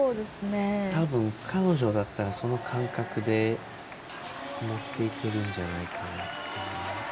たぶん、彼女だったらその感覚で登っていけるんじゃないかなという。